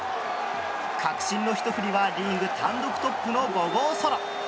確信のひと振りはリーグ単独トップの５号ソロ。